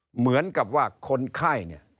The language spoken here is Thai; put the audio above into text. เหมือนกับว่าคนไข้เนี่ย